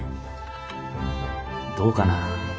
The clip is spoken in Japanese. どうかな？